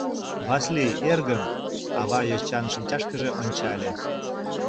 — Васлий, эргым, — ава йочан шинчашкыже ончале.